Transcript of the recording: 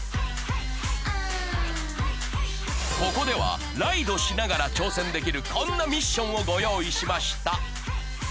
ここではライドしながら挑戦できるこんなミッションをご用意しました